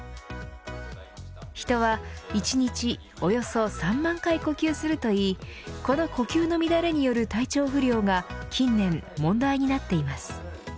人は１日およそ３万回呼吸するといいこの呼吸の乱れによる体調不良が近年、問題になっています。